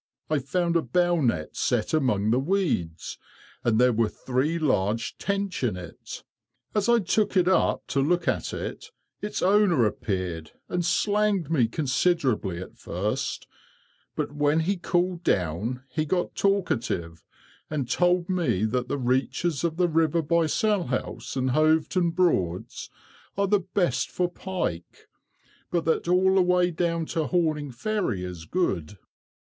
I found a bow net set among the weeds, and there were three large tench in it. As I took it up to look at it, its owner appeared, and slanged me considerably at first; but when he cooled down, he got talkative, and told me that the reaches of the river by Salhouse and Hoveton Broads are the best for pike, but that all the way down to Horning Ferry is good.